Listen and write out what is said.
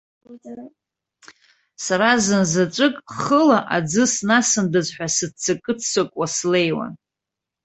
Сара зынзаҵәык хыла аӡы снасындаз ҳәа сыццакы-ццакуа слеиуан.